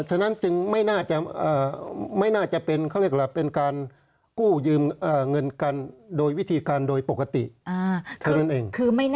ฉะนั้นจึงไม่น่าจะเป็นการกู้ยืมเงินกันโดยวิธีการโดยปกติเท่านั้นเอง